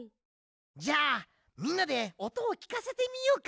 じゃあみんなでおとをきかせてみようか。